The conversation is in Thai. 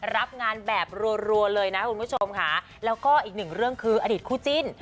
รับงานแบบรัวเลยนะคุณผู้ชมค่ะแล้วก็อีกหนึ่งเรื่องคืออดีตคู่จิ้น